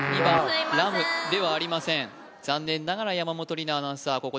２番ラムではありません残念ながら山本里菜アナウンサー